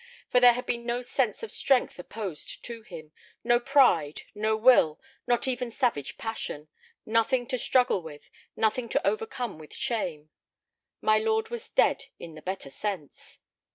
For there had been no sense of strength opposed to him, no pride, no will, not even savage passion, nothing to struggle with, nothing to overcome with shame. My lord was dead in the better sense.